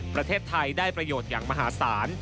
ประเทศไทยได้ประโยชน์อย่างมหาศาล